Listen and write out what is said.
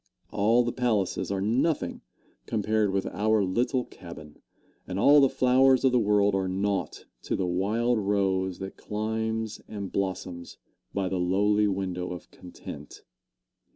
All the palaces are nothing compared with our little cabin, and all the flowers of the world are naught to the wild rose that climbs and blossoms by the lowly window of content.